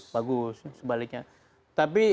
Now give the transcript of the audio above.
bagus sebaliknya tapi